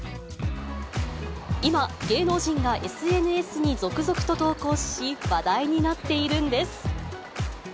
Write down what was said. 今、芸能人がＳＮＳに続々と投稿し、話題になっているんです。